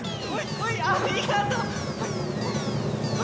ありがとう！